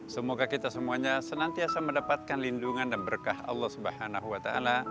semoga kita semuanya senantiasa mendapatkan lindungan dan berkah allah swt